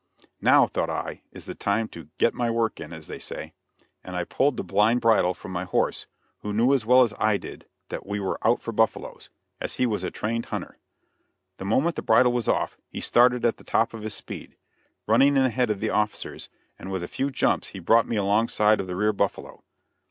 Now, thought I, is the time to "get my work in," as they say; and I pulled the blind bridle from my horse, who knew as well as I did that we were out for buffaloes as he was a trained hunter. The moment the bridle was off, he started at the top of his speed, running in ahead of the officers, and with a few jumps he brought me alongside of the rear buffalo.